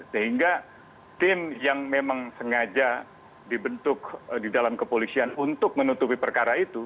sehingga tim yang memang sengaja dibentuk di dalam kepolisian untuk menutupi perkara itu